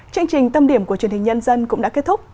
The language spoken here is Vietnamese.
chương trình tâm điểm của truyền hình nhân dân cũng đã kết thúc